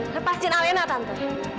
lepaskan alena tante